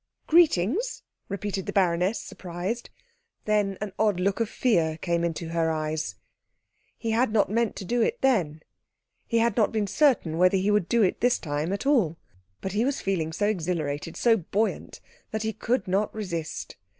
"Greetings?" repeated the baroness, surprised. Then an odd look of fear came into her eyes. He had not meant to do it then; he had not been certain whether he would do it this time at all; but he was feeling so exhilarated, so buoyant, that he could not resist.